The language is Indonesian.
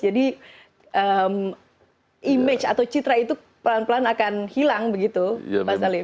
jadi image atau citra itu pelan pelan akan hilang begitu pak salim